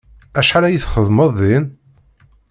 Acḥal ay txedmeḍ din?